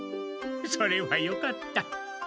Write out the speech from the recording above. それはよかった。